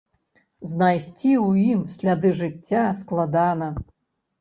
Знайсці ў ім сляды жыцця складана.